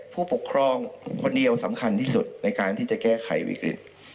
ผู้ปกครองคนเดียวสำคัญที่สุดในการที่จะแก้ไขวิกฤต